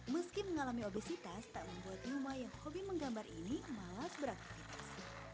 meski mengalami obesitas tak membuat rumah yang hobi menggambar ini malas beraktivitas